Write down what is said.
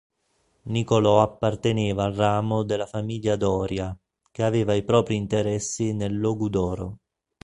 Nicolò apparteneva al ramo della famiglia Doria che aveva i propri interessi nel Logudoro.